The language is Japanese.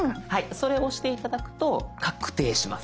それ押して頂くと確定します。